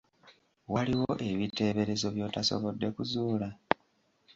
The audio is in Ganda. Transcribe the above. Waliwo ebiteeberezo by'otasobodde kuzuula?